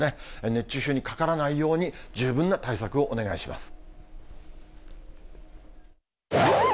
熱中症にかからないように十分な対策をお願いします。